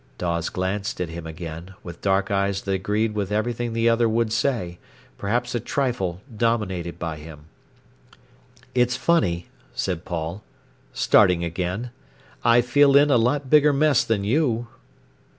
Dawes glanced at him again, with dark eyes that agreed with everything the other would say, perhaps a trifle dominated by him. "It's funny," said Paul, "starting again. I feel in a lot bigger mess than you."